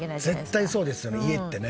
絶対そうですよね家ってね。